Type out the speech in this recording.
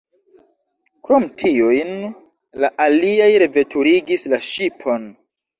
Krom tiujn, la aliaj reveturigis la ŝipon.